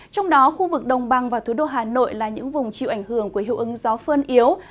trong đó khu vực đồng bằng và thủ đô hà nội là những vùng chịu ảnh hưởng của hiệu ứng gió phơn yếu